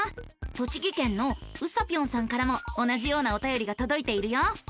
栃木県のうさぴょんさんからも同じようなおたよりがとどいているよ。